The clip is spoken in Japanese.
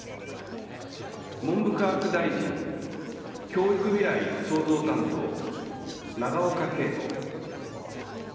文部科学大臣、教育未来創造担当永岡桂子。